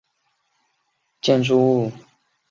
穹顶是苏格兰爱丁堡新城乔治街的一座建筑物。